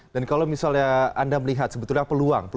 dan kalau misalnya anda melihat sebetulnya peluang